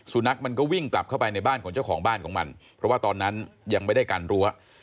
สุนัขมันก็วิ่งกลับเข้าไปในบ้านของเจ้าของบ้านของมันเพราะว่าตอนนั้นยังไม่ได้กันรั้ว